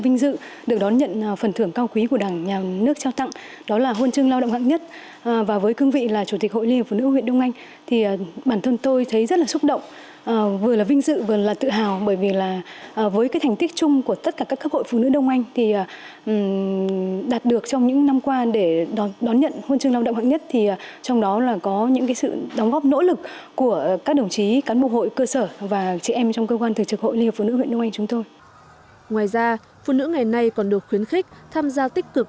ngoài ra phụ nữ ngày nay còn được khuyến khích tham gia tích cực